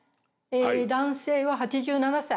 男性は８７歳。